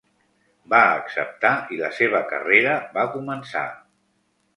Va acceptar i la seva carrera va començar.